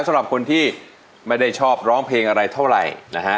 สำหรับคนที่ไม่ได้ชอบร้องเพลงอะไรเท่าไหร่นะฮะ